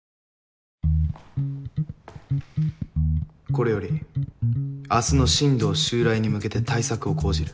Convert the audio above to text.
これより明日の進藤襲来に向けて対策を講じる。